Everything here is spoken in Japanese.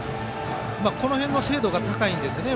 この辺の精度が高いんですね